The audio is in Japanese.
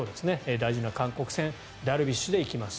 大事な韓国戦ダルビッシュで行きます